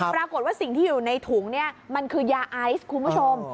ปรากฏว่าสิ่งที่อยู่ในถุงเนี่ยมันคือยาไอซ์คุณผู้ชม